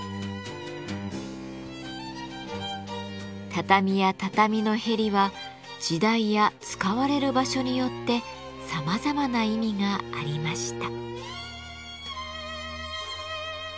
畳や畳のへりは時代や使われる場所によってさまざまな意味がありました。